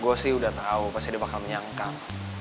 gue sih udah tau pasti dia bakal menyangkal